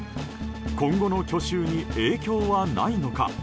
今後の去就に影響はないのか。